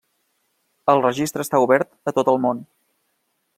El registre està obert a tot el món.